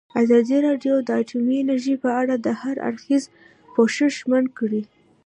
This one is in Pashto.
ازادي راډیو د اټومي انرژي په اړه د هر اړخیز پوښښ ژمنه کړې.